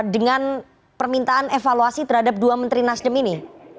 dengan permintaan evaluasi terhadap dua menteri nasdem ini